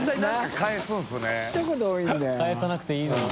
返さなくていいのに。